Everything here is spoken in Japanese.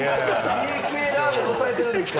家系ラーメンおさえてるんですか！